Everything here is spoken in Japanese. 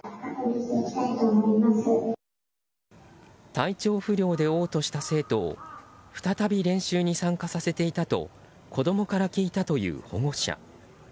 体調不良で嘔吐した生徒を再び練習に参加させていたと子供から聞いたという保護者。